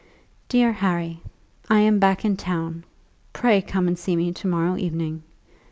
DEAR HARRY, I am back in town. Pray come and see me to morrow evening.